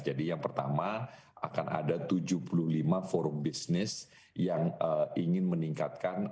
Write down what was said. jadi yang pertama akan ada tujuh puluh lima forum bisnis yang ingin meningkatkan